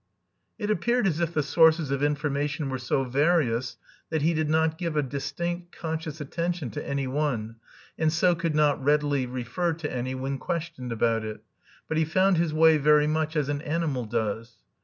It appeared as if the sources of information were so various that he did not give a distinct, conscious attention to any one, and so could not readily refer to any when questioned about it, but he found his way very much as an animal does.